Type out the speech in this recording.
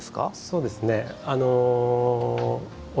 そうですね。